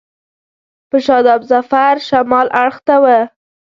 په شاداب ظفر شمال اړخ ته و.